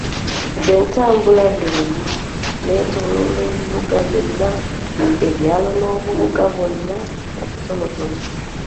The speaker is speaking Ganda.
Nze ntambula buli wamu; neetooloola ebibuga byonna, ebyalo n'obubuga bwonna obutonotono.